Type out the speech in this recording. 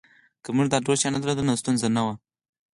که موږ دا ټول شیان نه درلودل ستونزه نه وه